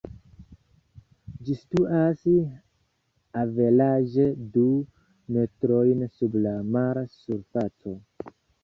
Ĝi situas averaĝe du metrojn sub la mar-surfaco.